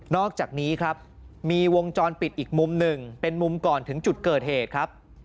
อกจากนี้ครับมีวงจรปิดอีกมุมหนึ่งเป็นมุมก่อนถึงจุดเกิดเหตุครับ